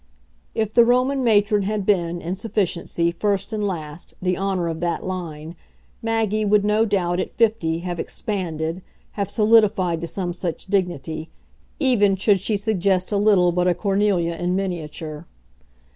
If the Roman matron had been, in sufficiency, first and last, the honour of that line, Maggie would no doubt, at fifty, have expanded, have solidified to some such dignity, even should she suggest a little but a Cornelia in miniature.